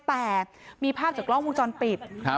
แต่มีภาพจากกล้องวงจรปิด